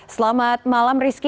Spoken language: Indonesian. selamat malam rizky